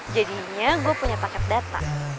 jadinya gue punya paket data